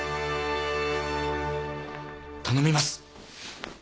頼みます。